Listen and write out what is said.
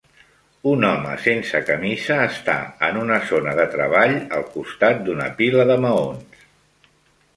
Un home sense camisa està en una zona de treball, al costat d'una pila de maons